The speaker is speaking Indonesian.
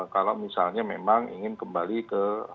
kalau misalnya memang ingin kembali ke